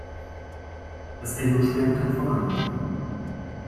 Das Endosperm kann vorhanden sein.